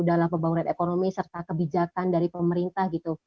dalam pembangunan ekonomi serta kebijakan dari pemerintah gitu